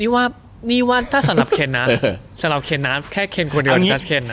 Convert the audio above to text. อืมนี่ว่าถ้าสำหรับเคนนะแค่เคนคนเดียวแค่แค่เคน